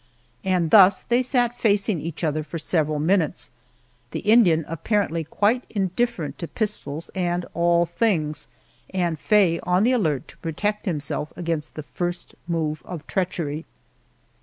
And thus they sat facing each other for several minutes, the Indian apparently quite indifferent to pistols and all things, and Faye on the alert to protect himself against the first move of treachery.